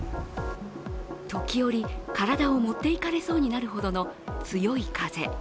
時折、体を持っていかれそうになるほどの強い風。